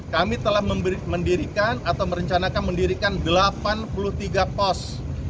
kami telah mendirikan atau merencanakan mendirikan delapan puluh tiga pos